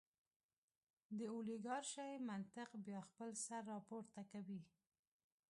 د اولیګارشۍ منطق بیا خپل سر راپورته کوي.